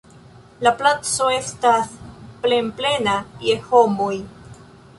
La placo estas plenplena je homoj.